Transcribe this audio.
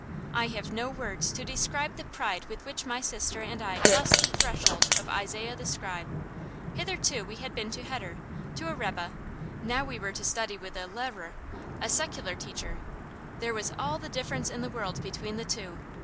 I have no words to describe the pride with which my sister and I crossed the threshold of Isaiah the Scribe. Hitherto we had been to heder, to a rebbe; now we were to study with a lehrer, a secular teacher. There was all the difference in the world between the two.